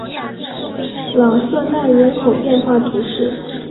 朗瑟奈人口变化图示